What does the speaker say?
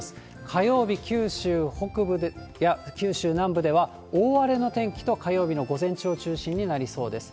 火曜日、九州北部や九州南部では、大荒れの天気と、火曜日の午前中を中心になりそうです。